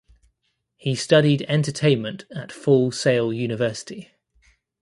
He studied entertainment at Full Sail University.